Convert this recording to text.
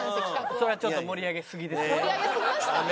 それはちょっと盛り上げすぎですね。